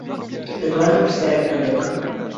دەتوانم پرسیارێکتان لێ بکەم؟